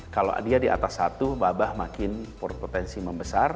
kalau dia di atas satu wabah makin berpotensi membesar